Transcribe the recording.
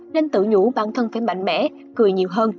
nên tự nhủ bản thân phải mạnh mẽ cười nhiều hơn